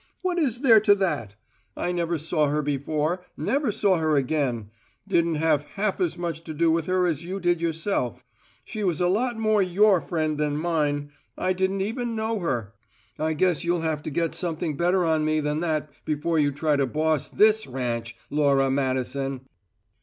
What is there to that? I never saw her before; never saw her again; didn't have half as much to do with her as you did yourself. She was a lot more your friend than mine; I didn't even know her. I guess you'll have to get something better on me than that, before you try to boss this ranch, Laura Madison!"